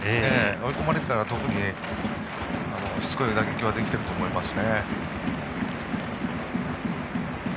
追い込まれてからは特にしつこい打撃はできていると思います。